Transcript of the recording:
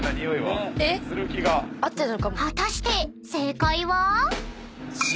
［果たして正解は？］